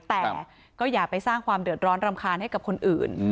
แต่ก็อย่าไปสร้างความเดือดร้อนรำคาญให้กับคนอื่น